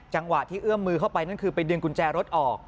จังหวะที่เอื้อมมือเข้าไปนั่นคือไปดึงกุญแจรถออก